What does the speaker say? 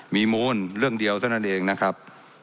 มีมูลเรื่องเดียวเท่านั้นเองนะครับ